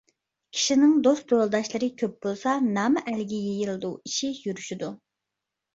كىشىنىڭ دوست يولداشلىرى كۆپ بولسا، نامى ئەلگە يېيىلىدۇ، ئىشى يۈرۈشىدۇ.